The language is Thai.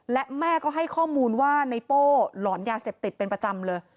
และแม่ก็ให้ข้อมูลว่าในโป้หลอนยาเสพติดเป็นประจำเลย